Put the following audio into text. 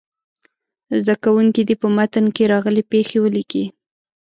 زده کوونکي دې په متن کې راغلې پيښې ولیکي.